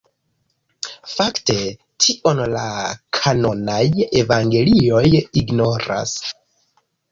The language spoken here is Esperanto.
Fakte tion la kanonaj evangelioj ignoras.